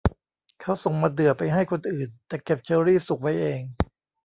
เขาส่งมะเดื่อไปให้คนอื่นแต่เก็บเชอรี่สุกไว้เอง